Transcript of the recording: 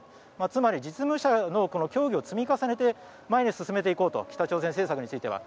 つまり実務者の協議を積み重ねて前に進めていこうと北朝鮮政策については